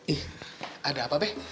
ih ada apa be